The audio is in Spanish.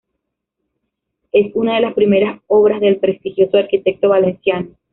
Es una de las primeras obras del prestigioso arquitecto valenciano.